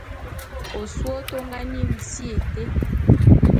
Osôé ôte ô ngá nyin si été.